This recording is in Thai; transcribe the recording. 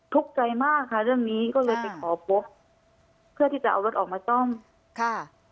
ทุกข์ใจมากค่ะเรื่องนี้ก็เลยไปขอพบเพื่อที่จะเอารถออกมาจ้องค่ะ